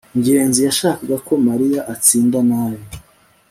ngenzi yashakaga ko mariya atsinda nabi